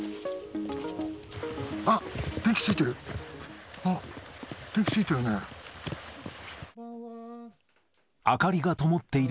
あっ、電気ついてる。